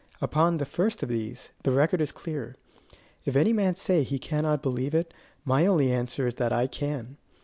Upon the first of these, the record is clear. If any man say he cannot believe it, my only answer is that I can.